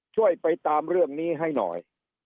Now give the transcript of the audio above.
ช่วยไปตามเรื่องนี้ให้หน่อย